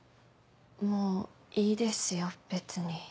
もういいですよ別に。